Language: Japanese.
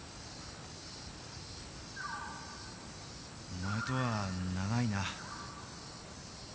お前とは長いな。